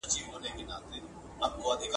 زوی بايد موزيم ته هم سر ورښکاره کړي.